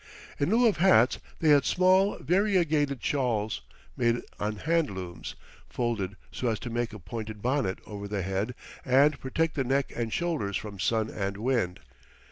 In lieu of hats they had small variegated shawls, made on hand looms, folded so as to make a pointed bonnet over the head and protect the neck and shoulders from sun and wind.